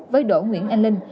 với đỗ nguyễn anh linh